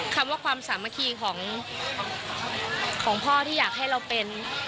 คำว่าความสามัคคีของพ่อที่อยากให้เราเป็น